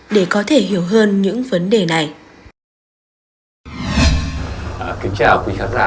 để có thể hiểu hơn những vấn đề này